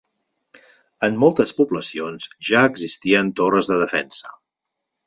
En moltes poblacions ja existien torres de defensa.